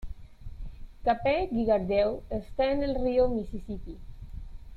Cape Girardeau está en el río Mississippi.